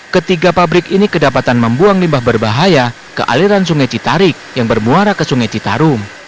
ketiga pabrik ini kedapatan membuang limbah berbahaya ke aliran sungai citarik yang bermuara ke sungai citarum